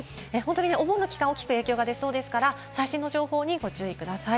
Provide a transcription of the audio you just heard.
お盆の期間、大きく影響が出そうですから最新の情報にご注意ください。